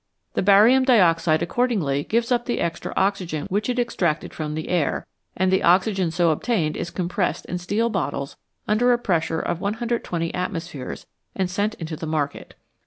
The barium dioxide accordingly gives up the extra oxygen which it extracted from the air, and the oxygen so obtained is compressed in steel bottles under a pressure of 120 atmospheres and sent into the market.